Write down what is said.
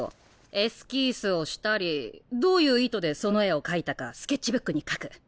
エスキースをしたりどういう意図でその絵を描いたかスケッチブックに描く。